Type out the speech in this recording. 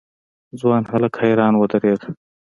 ځوان هک حيران ودرېد.